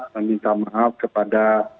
meminta maaf kepada